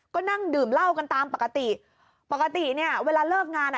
ก็นั่งดื่มเหล้ากันตามปกติปกติเนี่ยเวลาเลิกงานอ่ะ